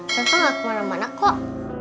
rafa gak kemana mana kok